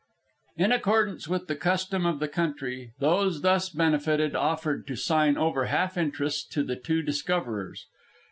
In accordance with the custom of the country, those thus benefited offered to sign over half interests to the two discoverers.